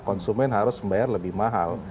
konsumen harus membayar lebih mahal